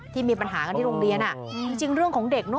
ที่มีปัญหากันที่โรงเรียน